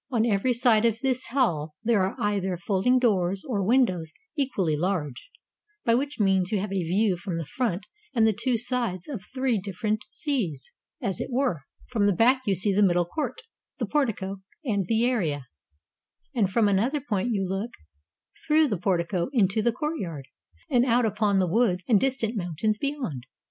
On every side of this hall there are either folding doors or windows equally large, by which means you have a view from the front and the two sides of three different seas, as it were; from the back you see the middle court, the portico, and the area ; and from another point you look through the portico into the courtyard, and out upon the woods and distant mountains beyond.